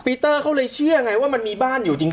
ปีเตอร์เขาเลยเชื่อไงว่ามันมีบ้านอยู่จริง